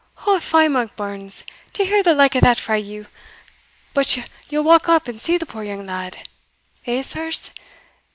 "O fie, Monkbarns! to hear the like o' that frae you! But yell walk up and see the poor young lad? Hegh sirs?